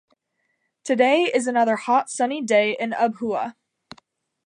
Today is another hot sunny day in Abuja